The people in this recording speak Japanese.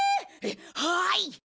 はい！